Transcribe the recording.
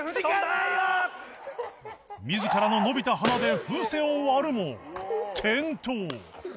自らの伸びた鼻で風船を割るも転倒